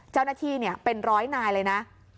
เจ้าหน้าที่เป็นร้อยนายเลยนะ